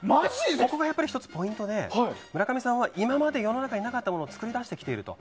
ここもやっぱり１つポイントで村上さんは今まで世の中になかったものを作り出してきている。